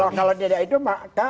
anda akui sekarang di publik ini